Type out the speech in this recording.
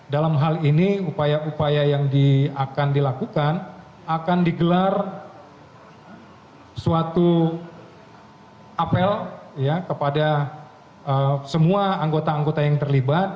dalam hal ini upaya upaya yang akan dilakukan akan digelar suatu apel kepada semua anggota anggota yang terlibat